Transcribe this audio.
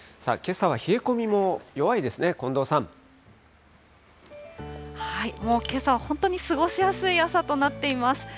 けさは冷え込みも弱いですね、もう、けさは本当に過ごしやすい朝となっています。